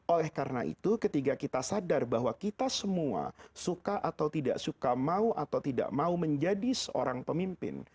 oleh karena itu ketika kita sadar bahwa kita semua suka atau tidak suka mau atau tidak mau menjadi seorang pemimpin